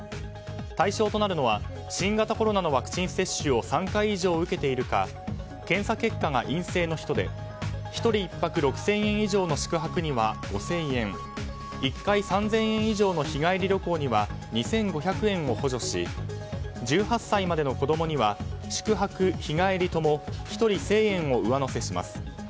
対象となるのは新型コロナのワクチン接種を３回以上、受けているか検査結果が陰性の人で１人１泊６０００以上の宿泊には５０００円１回３０００円以上の日帰り旅行には２５００円を補助し１８歳までの子供には宿泊・日帰りとも１人１０００円を上乗せします。